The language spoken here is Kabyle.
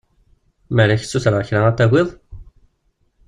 Lemmer ad k-ssutreɣ kra ad tagiḍ?